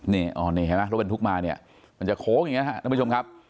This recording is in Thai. เห็นไหมถูกมามันจะโค้งอย่างนี้น่ะครับ